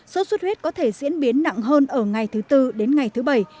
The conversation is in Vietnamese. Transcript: sốt xuất huyết có thể diễn biến nặng hơn ở ngày thứ tư đến ngày thứ bảy